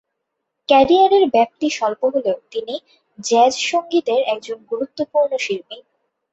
ক্যারিয়ারের ব্যাপ্তি স্বল্প হলেও তিনি জ্যাজ সঙ্গীতের একজন গুরুত্বপূর্ণ শিল্পী।